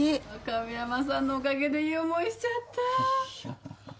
亀山さんのおかげでいい思いしちゃった。